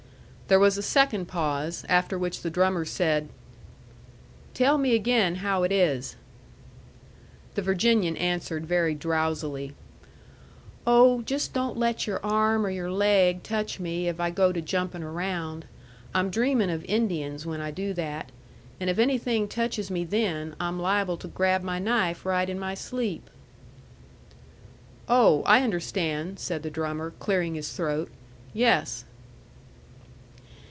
There was a second pause, after which the drummer said: "Tell me again how it is." The Virginian answered very drowsily: "Oh, just don't let your arm or your laig touch me if I go to jumpin' around. I'm dreamin' of Indians when I do that. And if anything touches me then, I'm liable to grab my knife right in my sleep." "Oh, I understand," said the drummer, clearing his throat. "Yes."